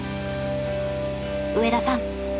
上田さん